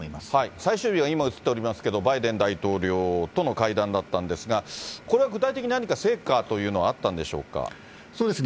最終日は今、映っておりますけれども、バイデン大統領との会談だったんですが、これは具体的に何か成果というのはあったんでそうですね。